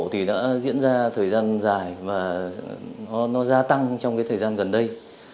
thì đã diễn ra thời gian dài và nó gia tăng trong thời gian gần đây